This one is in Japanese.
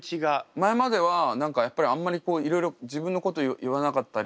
前までは何かやっぱりあんまりいろいろ自分のこと言わなかったり。